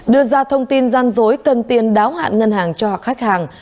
đưa ra thông tin gian dối cần tiền đáo hạn ngân hàng cho khách hàng